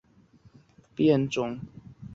光果细苞虫实为藜科虫实属下的一个变种。